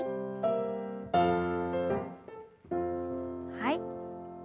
はい。